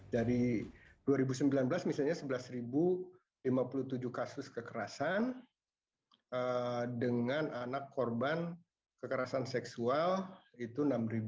dari dua ribu sembilan belas misalnya sebelas lima puluh tujuh kasus kekerasan dengan anak korban kekerasan seksual itu enam dua ratus